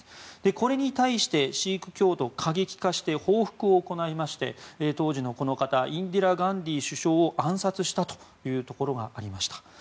これに対してシーク教徒が過激化して報復を行いまして当時の、この方インディラ・ガンディー首相を暗殺したということがありました。